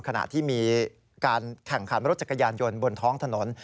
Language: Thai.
ขณะที่มีการแข่งขันรถจักรยานยนต์บนท้องถนน